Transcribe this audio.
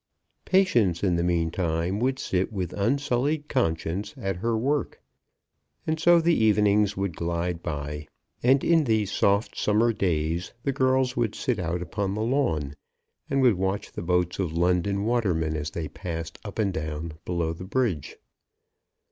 Patience, in the meantime, would sit with unsullied conscience at her work. And so the evenings would glide by; and in these soft summer days the girls would sit out upon the lawn, and would watch the boats of London watermen as they passed up and down below the bridge.